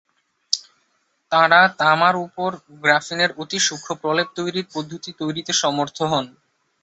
তাঁরা তামার ওপর গ্রাফিনের অতি সূক্ষ্ম প্রলেপ তৈরির পদ্ধতি তৈরিতে সমর্থ হন।